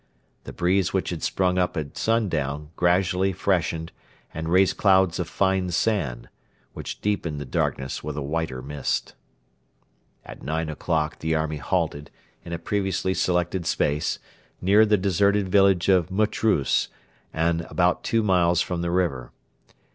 The breeze which had sprung up at sundown gradually freshened and raised clouds of fine sand, which deepened the darkness with a whiter mist. At nine o'clock the army halted in a previously selected space, near the deserted village of Mutrus and about two miles from the river.